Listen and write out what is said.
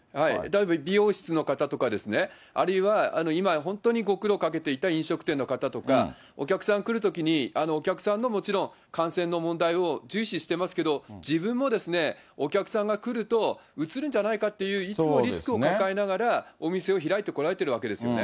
美容室の方とか、あるいは、今本当にご苦労かけていた飲食店の方とか、お客さん来るときにお客さんのもちろん、感染の問題を重視してますけど、自分もお客さんが来ると、うつるんじゃないかっていう、いつもリスクを抱えながら、お店を開いてこられているわけですよね。